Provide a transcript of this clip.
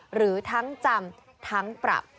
หรือทั้งจำทั้งปรับ